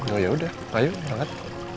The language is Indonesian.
oh yaudah ayo bangat